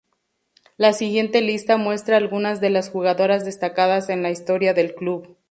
La siguiente lista muestra algunas de las jugadoras destacadas en la historia del club.